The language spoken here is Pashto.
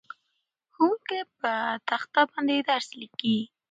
ښوونکی په تخته باندې درس لیکي.